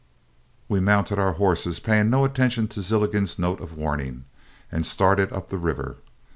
We mounted our horses, paying no attention to Zilligan's note of warning, and started up the river.